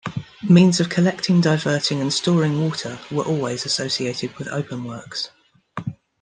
Means of collecting, diverting and storing water were always associated with openworks.